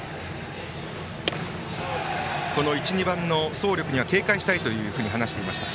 １、２番の走力には警戒したいと話していました。